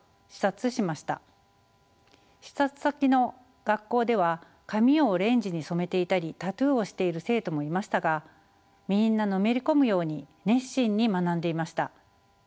視察先の学校では髪をオレンジに染めていたりタトゥーをしている生徒もいましたがみんなのめり込むように熱心に学んでいました。